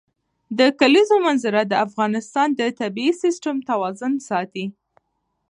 د کلیزو منظره د افغانستان د طبعي سیسټم توازن ساتي.